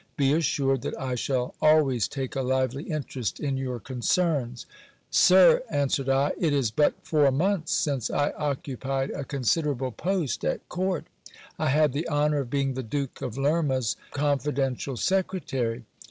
Be assured that I shall always take a lively interest in your concerns. Sir, answered I, it is but four months since I occupied a considerable 332 GIL BLAS. post at court. I had the honour of being the Duke of Lerma's confidential secretary.